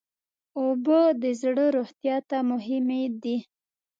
اوبه د زړه روغتیا ته مهمې دي.